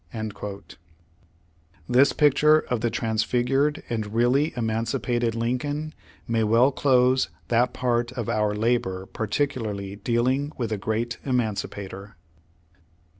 ^ This picture of the transfigured and really emancipated Lincoln, may well close that part of our labor particularly dealing with the Great Emancipator.